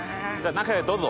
中へどうぞ。